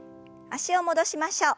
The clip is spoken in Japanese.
脚を戻しましょう。